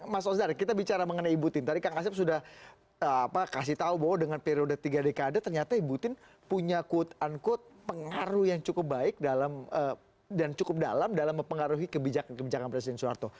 mas osdar kita bicara mengenai ibu tien tadi kak asep sudah apa kasih tahu bahwa dengan periode tiga dekade ternyata ibu tien punya quote unquote pengaruh yang cukup baik dalam dan cukup dalam dalam mempengaruhi kebijakan presiden soeharto